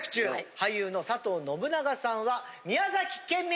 俳優の佐藤信長さんは宮崎県民！